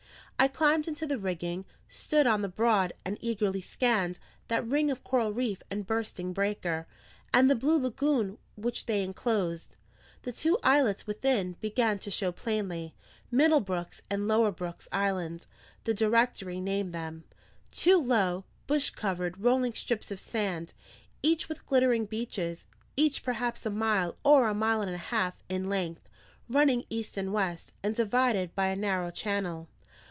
I climbed into the rigging, stood on the board, and eagerly scanned that ring of coral reef and bursting breaker, and the blue lagoon which they enclosed. The two islets within began to show plainly Middle Brooks and Lower Brooks Island, the Directory named them: two low, bush covered, rolling strips of sand, each with glittering beaches, each perhaps a mile or a mile and a half in length, running east and west, and divided by a narrow channel.